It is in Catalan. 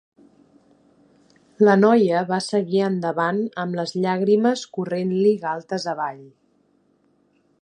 La noia va seguir endavant amb les llàgrimes corrent-li galtes avall.